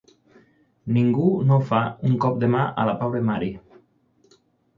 Ningú no fa un cop de mà a la pobra Marie.